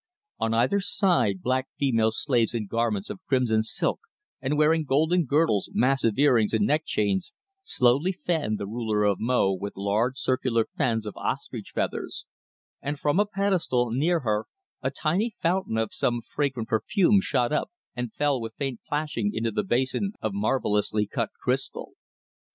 On either side black female slaves in garments of crimson silk and wearing golden girdles, massive earrings and neck chains, slowly fanned the ruler of Mo with large circular fans of ostrich feathers, and from a pedestal near her a tiny fountain of some fragrant perfume shot up and fell with faint plashing into its basin of marvellously cut crystal.